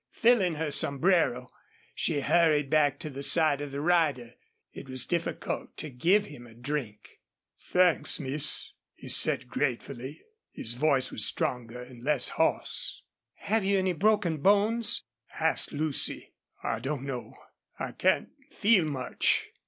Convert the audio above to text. Filling her sombrero, she hurried back to the side of the rider. It was difficult to give him a drink. "Thanks, miss," he said, gratefully. His voice was stronger and less hoarse. "Have you any broken bones?" asked Lucy. "I don't know. I can't feel much."